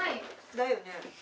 だよね。